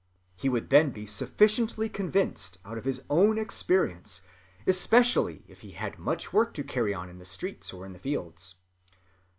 He would then be sufficiently convinced out of his own experience, especially if he had much work to carry on in the street or in the fields....